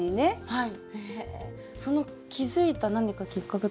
はい。